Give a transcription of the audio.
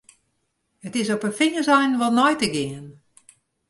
It is op 'e fingerseinen wol nei te gean.